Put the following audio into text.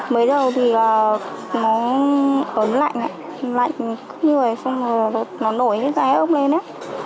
mới đầu thì là nó ấn lạnh lạnh cứ như vậy xong rồi nó nổi cái rái ốc lên á